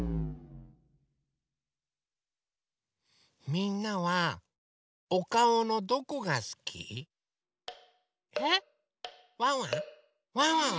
みんなはおかおのどこがすき？えっ？ワンワン？ワンワン